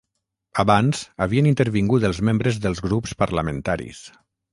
Abans, havien intervingut els membres dels grups parlamentaris.